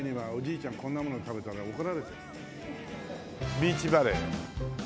ビーチバレー。